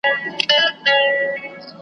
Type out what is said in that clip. هم بچی اندام اندام دی هم ابا په وینو سور دی .